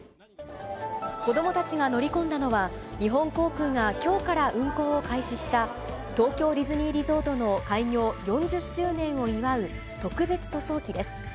子どもたちが乗り込んだのは、日本航空がきょうから運航を開始した、東京ディズニーリゾートの開業４０周年を祝う特別塗装機です。